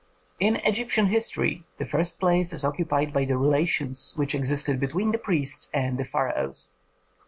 In Egyptian history the first place is occupied by the relations which existed between the priests and the pharaohs.